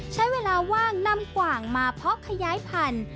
ใช้เวลาว่างนำกว่างมาเพาะขยายพันธุ์